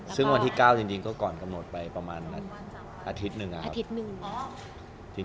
ซึ่งวันที่๙ก้อนกำหนดไปประมาณอาทิตย์นึง